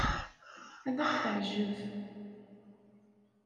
Ad aɣ-teɛjeb.